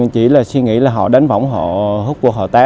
chỉ là suy nghĩ là họ đánh võng họ hút cuộc họ té